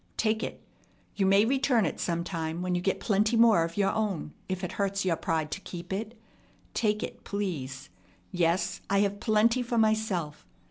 Take it. You may return it sometime when you get plenty more of your own, if it hurts your pride to keep it. Take it, please. Yes, I have plenty for myself.